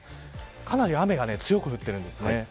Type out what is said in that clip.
かなり雨が強く降ってるんですね。